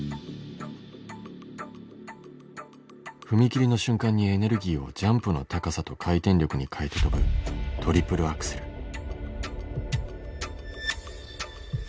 踏み切りの瞬間にエネルギーをジャンプの高さと回転力に変えて跳ぶトリプルアクセル。